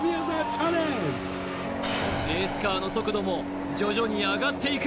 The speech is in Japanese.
レースカーの速度も徐々に上がっていく